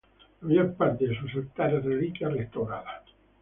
La mayor parte de sus altares, reliquias, restauradas.